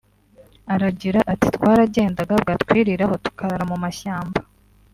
Aragira ati “Twaragendaga bwatwiriraho tukarara mu mashyamba